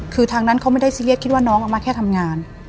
คือทางนั้นเขาไม่ได้ซีเรียสคิดว่าน้องเอามาแค่ทำงาน